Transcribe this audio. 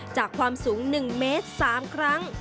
ความสูง๑เมตร๓ครั้ง